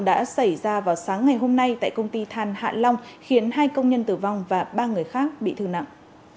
đã xảy ra vào sáng ngày hôm nay tại công ty than hạ long khiến hai công nhân tử vong và ba người khác bị thương nặng